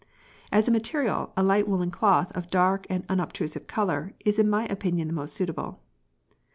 p> As a material, a light woollen cloth of dark and unobtrusive colour is in my opinion the most suitable.